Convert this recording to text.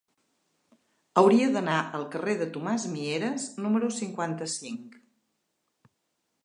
Hauria d'anar al carrer de Tomàs Mieres número cinquanta-cinc.